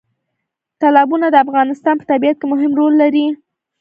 تالابونه د افغانستان په طبیعت کې مهم رول لري.